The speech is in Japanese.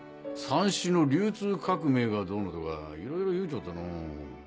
さんしの流通革命がどうのとかいろいろ言うちょったのう。